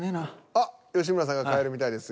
あっ吉村さんが変えるみたいですが。